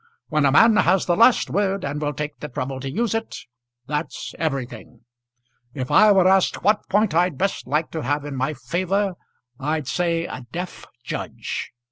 When a man has the last word, and will take the trouble to use it, that's everything. If I were asked what point I'd best like to have in my favour I'd say, a deaf judge.